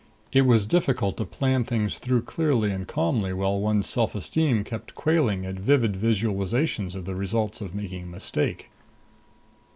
It was difficult to plan things through clearly and calmly while one's self esteem kept quailing at vivid visualizations of the results of making a mistake.